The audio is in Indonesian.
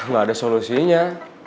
gak ada solusinya